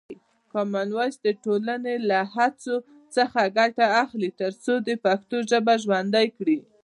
کامن وایس د ټولنې له هڅو څخه ګټه اخلي ترڅو پښتو ژبه ژوندۍ کړي.